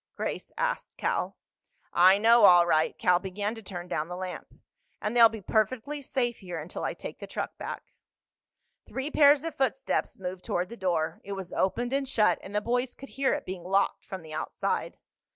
Grace asked Cal. "I know, all right." Cal began to turn down the lamp. "And they'll be perfectly safe here until I take the truck back." Three pairs of footsteps moved toward the door. It was opened and shut, and the boys could hear it being locked from the outside.